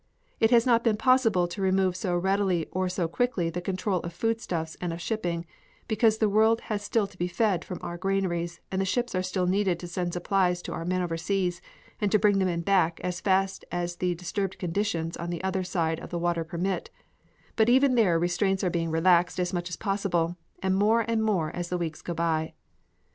It has not been possible to remove so readily or so quickly the control of foodstuffs and of shipping, because the world has still to be fed from our granaries and the ships are still needed to send supplies to our men oversea and to bring the men back as fast as the disturbed conditions on the other side of the water permit; but even there restraints are being relaxed as much as possible, and more and more as the weeks go by.